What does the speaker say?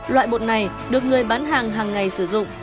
loại bột này được người bán hàng hàng ngày sử dụng